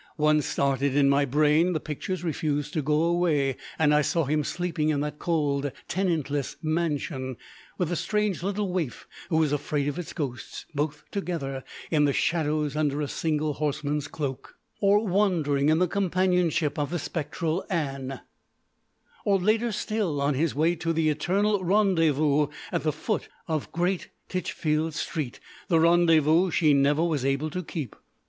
Once started in my brain, the pictures refused to go away; and I saw him sleeping in that cold, tenantless mansion with the strange little waif who was afraid of its ghosts, both together in the shadows under a single horseman's cloak; or wandering in the companionship of the spectral Anne; or, later still, on his way to the eternal rendezvous at the foot of Great Titchfield Street, the rendezvous she never was able to keep.